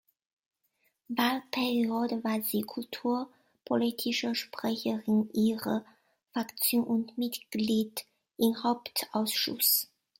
Wahlperiode war sie Kulturpolitische Sprecherin ihrer Fraktion und Mitglied im Hauptausschuss.